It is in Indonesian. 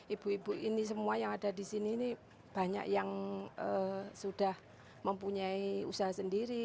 ibu ibu ini semua yang ada di sini ini banyak yang sudah mempunyai usaha sendiri